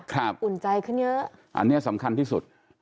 อุ่นใจขึ้นเยอะอันนี้สำคัญที่สุด